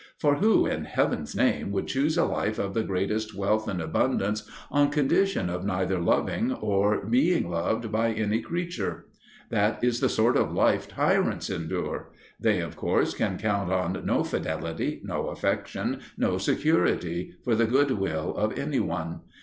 For who, in heaven's name, would choose a life of the greatest wealth and abundance on condition of neither loving or being beloved by any creature? That is the sort of life tyrants endure. They, of course, can count on no fidelity, no affection, no security for the goodwill of any one.